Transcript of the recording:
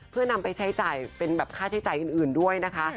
เพื่อนำไปใช้จ่ายเป็นแบบค่าใช้จ่ายอื่นด้วยนะคะ